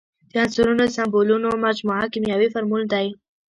د عنصرونو د سمبولونو مجموعه کیمیاوي فورمول دی.